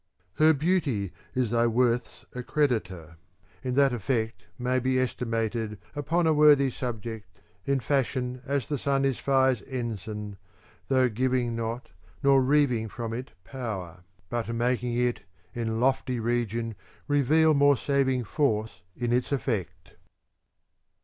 Her beauty is thy worth's accreditor, In that effect may be estimated upon a worthy sub ject, in fashion as the sun is fire's ensign though giving not nor reaving from it povfer, but making it, in lofty region, reveal more saving force in its effect.'